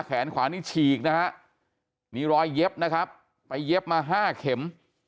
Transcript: แขนขวานี่ฉีกนะฮะมีรอยเย็บนะครับไปเย็บมา๕เข็ม